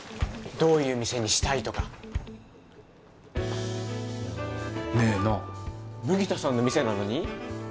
どういう店にしたいとかねえな麦田さんの店なのに？